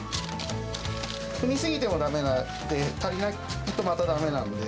踏み過ぎてもだめなんで、足りないとまただめなんで。